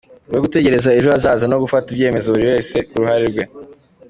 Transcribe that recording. wo gutekereza ejo hazaza no gufata ibyemezo kuri buri wese ku ruhare